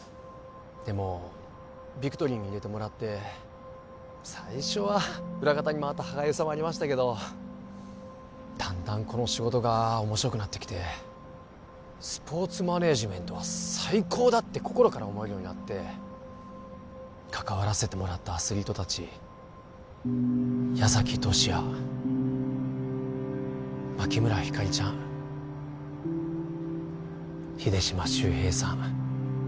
でもビクトリーに入れてもらって最初は裏方に回った歯がゆさもありましたけどだんだんこの仕事が面白くなってきてスポーツマネージメントは最高だ！って心から思えるようになって関わらせてもらったアスリート達矢崎十志也牧村ひかりちゃん秀島修平さん